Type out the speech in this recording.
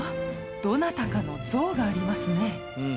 どなたかの像がありますね。